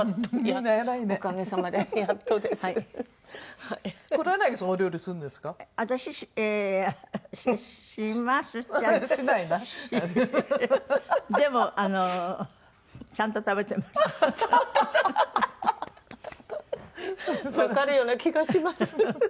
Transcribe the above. わかるような気がします。